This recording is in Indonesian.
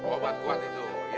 obat kuat itu ya